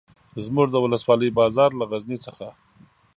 زموږ د ولسوالۍ بازار له غزني څخه.